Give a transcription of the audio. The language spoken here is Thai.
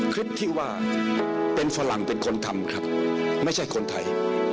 คลิปที่ว่าเป็นฝรั่งเป็นคนทำครับไม่ใช่คนไทย